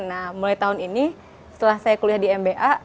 nah mulai tahun ini setelah saya kuliah di mba